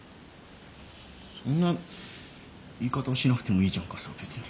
そんな言い方をしなくてもいいじゃんかさ別に。